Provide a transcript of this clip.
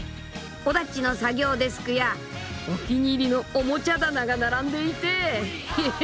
［尾田っちの作業デスクやお気に入りのおもちゃ棚が並んでいてヘヘッすげえ！］